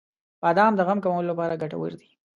• بادام د غم کمولو لپاره ګټور دی.